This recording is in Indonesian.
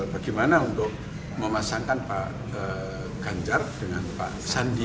bagaimana untuk memasangkan pak ganjar dengan pak sandi